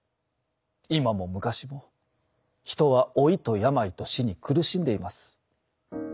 今も昔も人は老いと病と死に苦しんでいます。